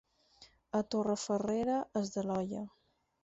A Torrefarrera, els de l'olla.